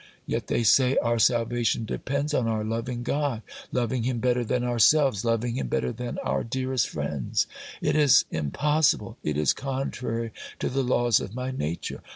Yet they say our salvation depends on our loving God, loving Him better than ourselves, loving Him better than our dearest friends. It is impossible! it is contrary to the laws of my nature!